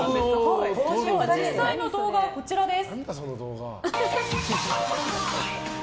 実際の動画、こちらです。